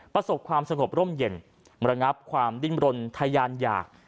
ประสบความสงบร่มเย็นระงับความดิ้นรนทะยานหยาก